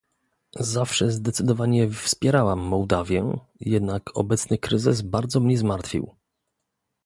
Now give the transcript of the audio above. Zawsze zdecydowanie wspierałam Mołdawię, jednak obecny kryzys bardzo mnie zmartwił